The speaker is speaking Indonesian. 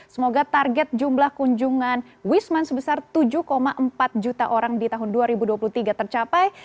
semoga target jumlah kunjungan wisman sebesar tujuh empat juta orang di tahun dua ribu dua puluh tiga tercapai